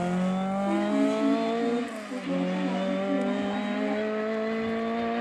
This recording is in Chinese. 朱常清与福州诸王退往广州。